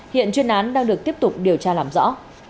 hiện chuyên án đang được tiếp tục điều tra làm rõ